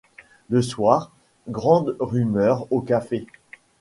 Le soir, grande rumeur au café.